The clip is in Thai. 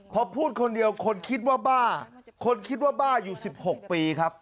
พอพูดคนเดียวคนคิดว่าบ้าคนคิดว่าบ้าอยู่๑๖ปีครับ